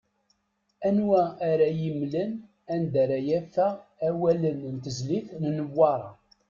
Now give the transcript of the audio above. Anwa ara yi-mmlen anda ara afeɣ awalen n tezlit n Newwaṛa?